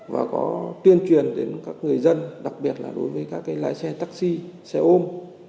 và có tuyên truyền đến các người dân đặc biệt là đối với các lái xe taxi xe ôm